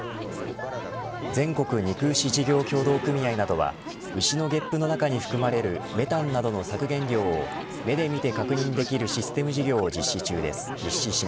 全国肉牛事業協同組合などは牛のゲップの中に含まれるメタンなどの削減量を目で見て確認できるシステム事業を実施します。